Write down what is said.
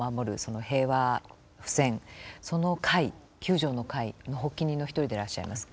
平和不戦その会「九条の会」の発起人の一人でいらっしゃいます。